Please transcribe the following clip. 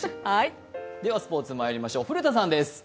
ではスポーツまいりましょう、古田さんです。